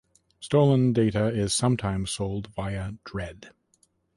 Stolen data is sometimes sold via Dread.